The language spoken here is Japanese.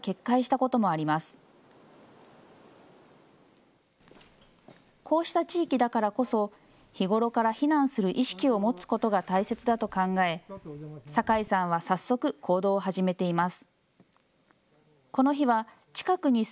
こうした地域だからこそ日頃から避難する意識を持つことが大切だと考え酒井さんは早速、行動を始めています。